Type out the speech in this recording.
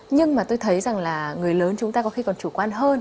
nhưng mà tôi thấy rằng là người lớn chúng ta có khi còn chủ quan hơn